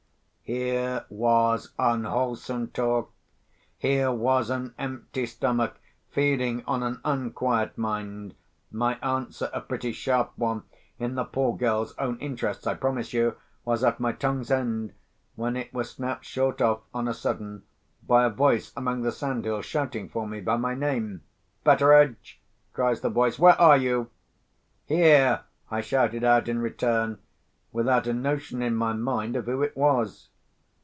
Here was unwholesome talk! Here was an empty stomach feeding on an unquiet mind! My answer—a pretty sharp one, in the poor girl's own interests, I promise you!—was at my tongue's end, when it was snapped short off on a sudden by a voice among the sandhills shouting for me by my name. "Betteredge!" cries the voice, "where are you?" "Here!" I shouted out in return, without a notion in my mind of who it was.